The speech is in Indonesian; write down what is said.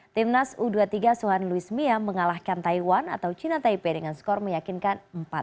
timnas u dua puluh tiga suhan luismia mengalahkan taiwan atau china taipei dengan skor meyakinkan empat